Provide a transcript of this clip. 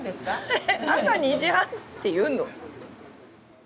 へへ朝２時半って言うの？